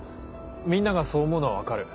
みんながそう思うのは分かる。